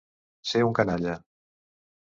Ser un canalla.